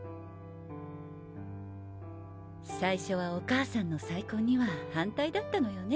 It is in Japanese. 最初はお母さんの再婚には反対だったのよね